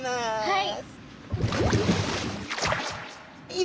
はい。